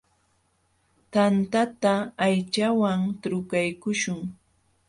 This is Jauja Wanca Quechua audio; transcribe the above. Tantata aychawan trukaykuśhun.